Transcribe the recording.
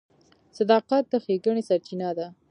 • صداقت د ښېګڼې سرچینه ده.